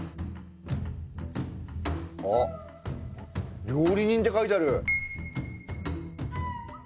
おっ料理人って書いてある！